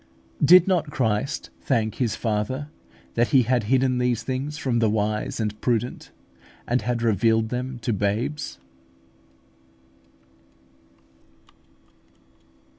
Did not Christ thank His Father that He had hidden these things from the wise and prudent, and had revealed them to babes?